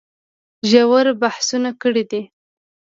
ژور بحثونه کړي دي